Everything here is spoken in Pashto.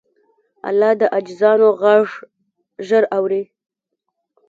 الله د عاجزانو غږ ژر اوري.